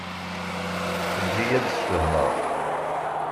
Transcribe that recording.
Eǧǧ-iyi ad d-sfehmeɣ.